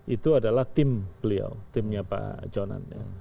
itu adalah tim beliau timnya pak jonan